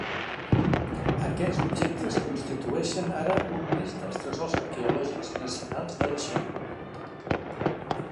Aquests objectes constitueixen ara un més dels tresors arqueològics nacionals de la Xina.